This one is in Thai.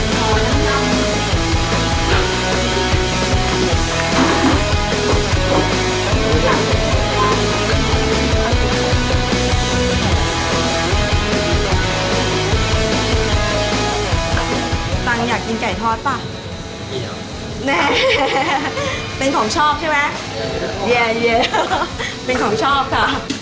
ต่างอยากกินไก่ทอดป่ะเป็นของชอบใช่ไหมเป็นของชอบค่ะ